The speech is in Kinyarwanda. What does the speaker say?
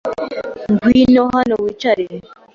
Ngwino hano wicare.